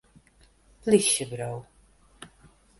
Plysjeburo.